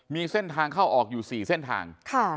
มีเส้นทางเข้าออกอยู่๔เส้นทาง